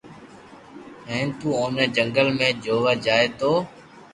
ھين تو اوني جنگل ۾ جووا جائي تو